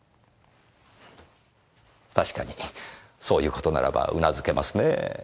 確かにそういう事ならば頷けますねぇ。